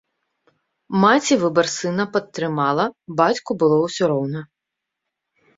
Маці выбар сына падтрымала, бацьку было ўсё роўна.